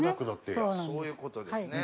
そういうことですね。